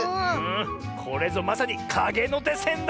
これぞまさにかげのてせんだ！